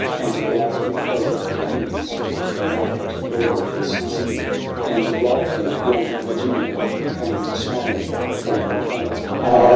And blithely o'er her panniers the market girl was singing. And blithely young Virginia came smiling from her home : Ah